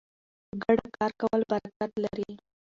په ګډه کار کول برکت لري.